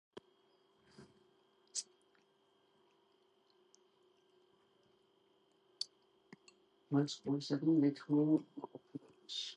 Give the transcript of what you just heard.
საბჭოს დაარსების მიზანი იყო სამხედრო ზომების ერთიანი სახით ცხოვრებაში დაუყოვნებლივ გატარების უზრუნველყოფა.